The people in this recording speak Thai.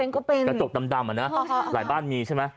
ก็เป็นกระจกดำอะนะหลายบ้านมีใช่ไหม